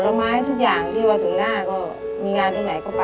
เช้ามาก็ต้องหุงหาทั้งหมดข้าวให้พ่อกับน้องกินกันก่อน